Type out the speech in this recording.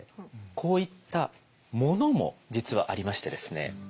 こういった物も実はありましてですね